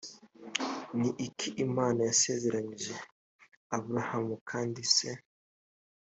ni iki imana yasezeranyije aburahamu kandi se